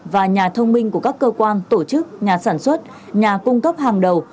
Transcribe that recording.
và nhà thông minh của các cơ quan tổ chức nhà sản xuất nhà cung cấp hàng đầu